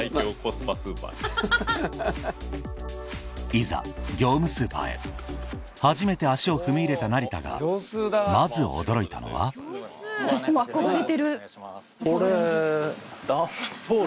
いざ業務スーパーへ初めて足を踏み入れた成田がまず驚いたのは５００ミリで３７円。